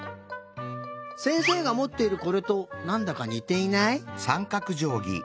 せんせいがもっているこれとなんだかにていない？さんかく。